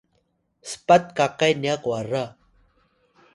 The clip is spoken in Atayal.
spat kakay nya kwara